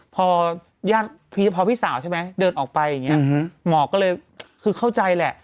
พอพี่สาวเดินออกไปหมอก็เลยแศกคือเข้าใจแหละ